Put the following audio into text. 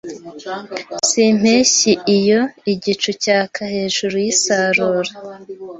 zimpeshyi Iyo igicu cyaka hejuru yisarura